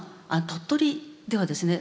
鳥取ではですね